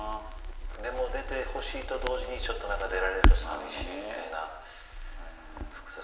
でも出てほしいと同時にちょっとなんか出られると寂しいみたいな。